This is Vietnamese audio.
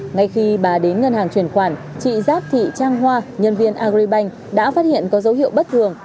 ngay khi bà đến ngân hàng truyền khoản chị giáp thị trang hoa nhân viên agribank đã phát hiện có dấu hiệu bất thường